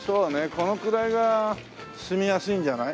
このくらいが住みやすいんじゃない？